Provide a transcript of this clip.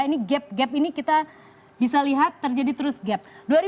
ini gap gap ini kita bisa lihat terjadi terus gap